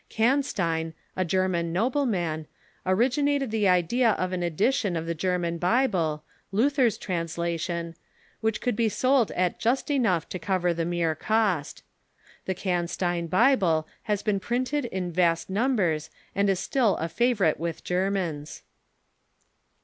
Canstein, a German nobleman, origi nated the idea of an edition of the German Bible, Luther's SPENEll AND PIETISM 325 translation, which could be sold at just enough to cover the mere cost. The Cansteiii Bible has been printed in vast num bers, and is still a favorite with Germans.